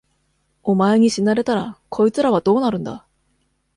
お前に死なれたら、こいつらはどうなるんだ。